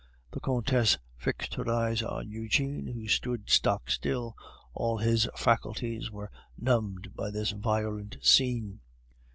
The Countess fixed her eyes on Eugene, who stood stock still; all his faculties were numbed by this violent scene.